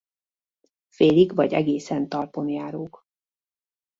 Félig vagy egészen talpon járók.